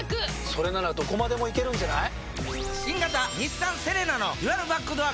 それならどこまでも行けるんじゃない？